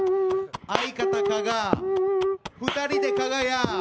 相方加賀、２人でかが屋。